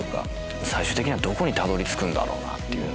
最終的にはどこにたどり着くんだろう？っていう。